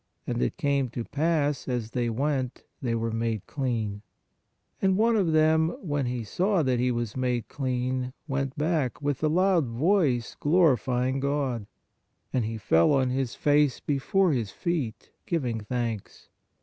And it came to pass, as they went, they were made clean. And one of them, when he saw that he was made clean, went back, with a loud voice glorifying God. And he fell on his face before His feet, giving thanks.